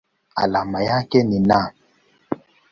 Alama yake ni Na.